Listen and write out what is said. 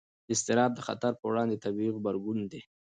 اضطراب د خطر پر وړاندې طبیعي غبرګون دی.